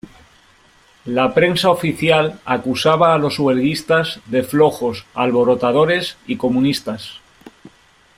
La prensa oficial acusaba a los huelguistas de flojos, alborotadores y comunistas.